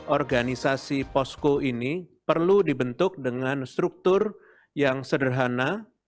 organisasi posko ini perlu dibentuk dengan struktur yang sederhana